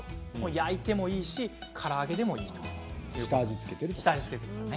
焼いてもいいしから揚げでもいいということです。